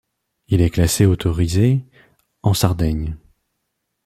Il est classé autorisé en Sardaigne.